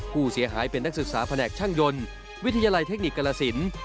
ผู้เสียหายเป็นนักศึกษาแผนกช่างยนต์วิทยาลัยเทคนิคกรสิน